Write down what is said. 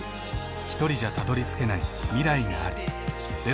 ひとりじゃたどりつけない未来がある。